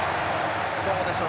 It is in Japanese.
どうでしょう？